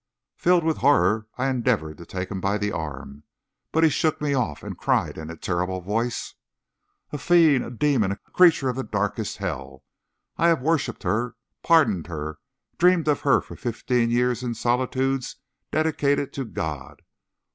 Filled with horror, I endeavored to take him by the arm, but he shook me off, and cried in a terrible voice: "A fiend, a demon, a creature of the darkest hell! I have worshiped her, pardoned her, dreamed of her for fifteen years in solitudes dedicated to God!